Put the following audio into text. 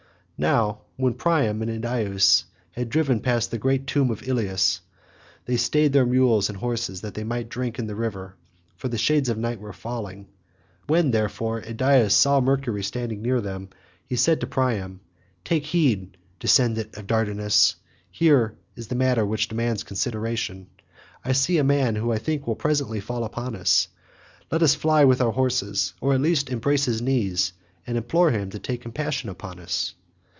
Now when Priam and Idaeus had driven past the great tomb of Ilius, they stayed their mules and horses that they might drink in the river, for the shades of night were falling, when, therefore, Idaeus saw Mercury standing near them he said to Priam, "Take heed, descendant of Dardanus; here is matter which demands consideration. I see a man who I think will presently fall upon us; let us fly with our horses, or at least embrace his knees and implore him to take compassion upon us?"